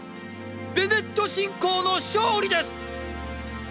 ベネット信仰の勝利です！！